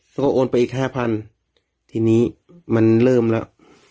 โอนไปอีกห้าพันทีนี้มันเริ่มแล้ว